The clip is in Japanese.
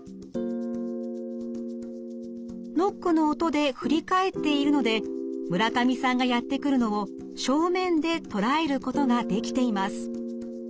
ノックの音で振り返っているので村上さんがやって来るのを正面で捉えることができています。